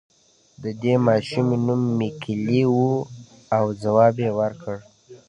د دې ماشومې نوم ميکلي و او ځواب يې ورکړ.